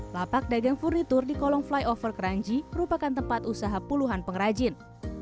lapak dagang furnitur di kolong flyover keranji merupakan tempat usaha puluhan pengrajin